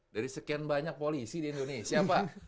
dari sekian banyak polisi di indonesia pak